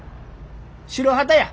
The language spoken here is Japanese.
白旗や。